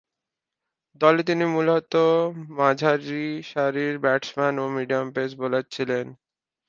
দলে তিনি মূলতঃ মাঝারিসারির ব্যাটসম্যান ও মিডিয়াম পেস বোলার ছিলেন।